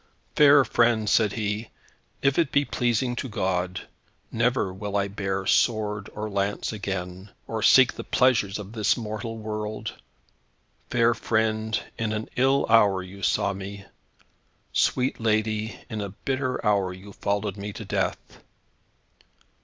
"Fair friend," said he, "if it be pleasing to God, never will I bear sword or lance again, or seek the pleasures of this mortal world. Fair friend, in an ill hour you saw me! Sweet lady, in a bitter hour you followed me to death!